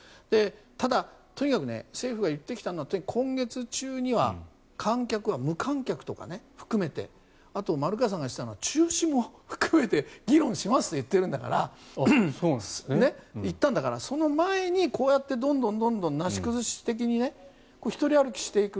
ただとにかく政府が言ってきたのは今月中には観客は無観客とか含めてあと、丸川さんが言っていたのは中止も含めて議論しますと言っているんだから言ったんだからその前にこうやってどんどんなし崩し的に独り歩きしていく。